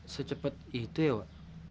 secepat itu ya wak